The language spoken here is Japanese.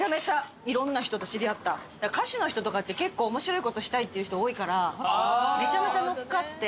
歌手の人とかって結構面白いことしたいっていう人多いからめちゃめちゃ乗っかって。